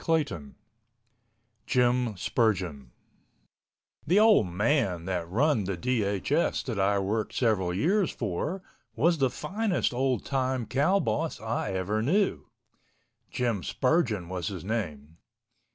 CHAPTER IX JIM SPURGEON The old man that run the DHS that I worked several years for was the finest old tune cow boss I ever knew. Jim Spurgeon was his name.